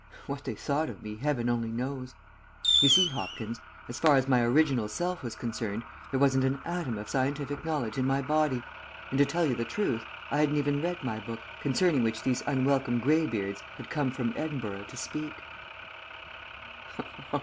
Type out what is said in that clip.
What they thought of me Heaven only knows. You see, Hopkins, as far as my original self was concerned there wasn't an atom of scientific knowledge in my body, and to tell you the truth I hadn't even read my book, concerning which these unwelcome grey beards had come from Edinburgh to speak."